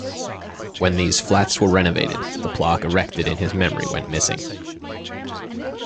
When these flats were renovated the plaque erected in his memory went missing.